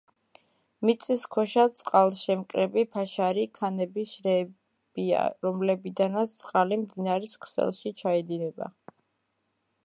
მიწისქვეშა წყალშემკრები ფაშარი ქანების შრეებია, რომლებიდანაც წყალი მდინარის ქსელში ჩაედინება.